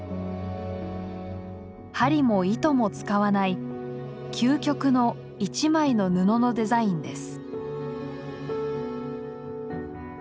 針も糸も使わない究極の「一枚の布」のデザインです。